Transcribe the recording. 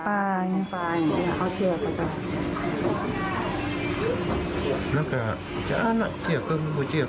เพราะพ่อเชื่อกับจ้างหักข้าวโพด